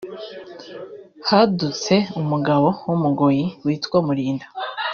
hadutse umugabo w’umugoyi witwa Mulinda